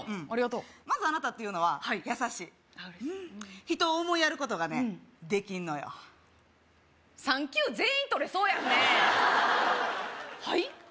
ありがとうまずあなたっていうのはやさしい人を思いやることがねできんのよ３級全員取れそうやんねはい？